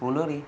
uống nước đi